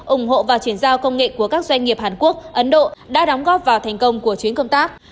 ủng hộ và chuyển giao công nghệ của các doanh nghiệp hàn quốc ấn độ đã đóng góp vào thành công của chuyến công tác